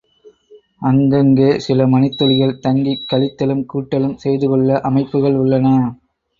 அங்கங்கே சில மணித்துளிகள் தங்கிக் கழித்தலும் கூட்டலும் செய்துகொள்ள அமைப்புகள் உள்ளன.